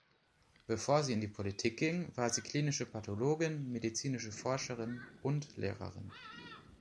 Bevor sie in die Politik ging, war sie klinische Pathologin, medizinische Forscherin und Lehrerin.